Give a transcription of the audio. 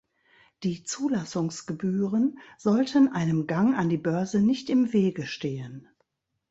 Die Zulassungsgebühren sollten einem Gang an die Börse nicht im Wege stehen.